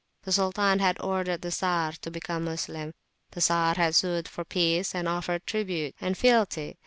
The Sultan had ordered the Czar to become a Moslem. The Czar had sued for peace, and offered tribute and fealty.